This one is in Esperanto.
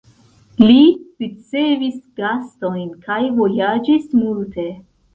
Li ricevis gastojn kaj vojaĝis multe.